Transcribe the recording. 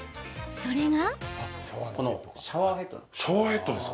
それが。